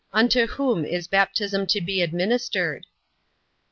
Unto whom is baptism to be administered?